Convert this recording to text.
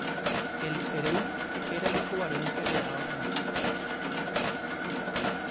El "hereu" era el hijo varón que heredaba la masía.